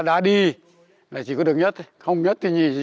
đã đi là chỉ có đường nhất không nhất thì gì